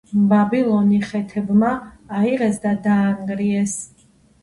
ბაბილონი ხეთებმა აიღეს და დაანგრიეს.